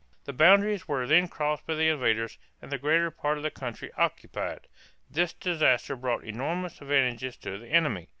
The boundaries were then crossed by the invaders and the greater part of the country occupied. This disaster brought enormous advantages to the enemy.